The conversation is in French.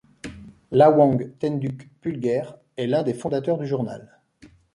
Lhawang Tenduk Pulger est l’un des fondateurs du journal.